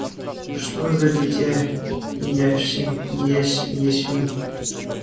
Что за дитя Яшвин?